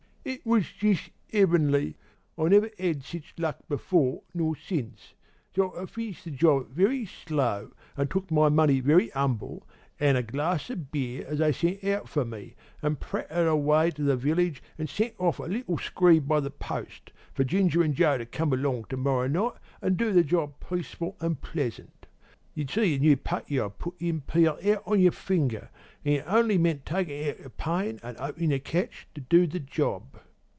"'It was jist 'eavenly. I never 'ad sich luck before nor since. So I finished the job very slow, an' took my money very 'umble, an' a glass o' beer as they sent out for me, an' pratted away to the village an' sent off a little screeve by the post, for Ginger an' Joe to come along to morrer night an' do the job peaceful an' pleasant. You see the new putty I'd put in 'ud peel out on yer finger, an' it only meant takin' out the pane an openin' the catch to do the job.'